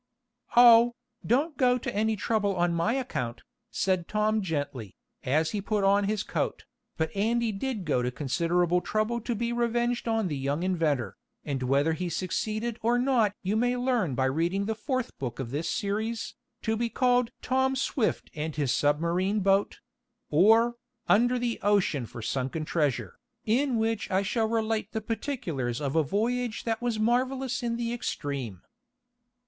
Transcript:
"Oh, don't go to any trouble on my account," said Tom gently, as he put on his coat. But Andy did go to considerable trouble to be revenged on the young inventor, and whether he succeeded or not you may learn by reading the fourth book of this series, to be called "Tom Swift and His Submarine Boat; or, Under the Ocean for Sunken Treasure," in which I shall relate the particulars of a voyage that was marvelous in the extreme.